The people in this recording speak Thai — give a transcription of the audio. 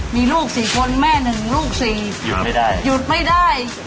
มีลูกสี่คนแม่หนึ่งลูกสี่หยุดไม่ได้